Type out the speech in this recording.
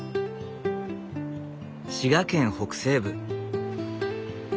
滋賀県北西部。